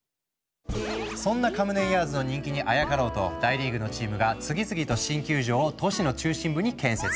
そんなカムデンヤーズの人気にあやかろうと大リーグのチームが次々と新球場を都市の中心部に建設。